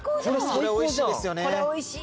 これおいしいよね。